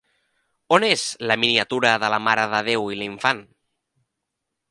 On és la miniatura de la Mare de Déu i l'Infant?